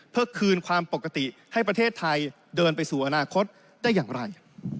เพื่อคืนความปกติให้ประเทศไทยเดินไปสู่อนาคตได้อย่างไร